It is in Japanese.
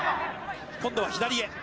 今度は左へ。